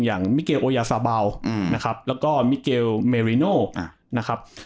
มิเกลโอยาซาเบานะครับแล้วก็มิเกลเมริโนนะครับ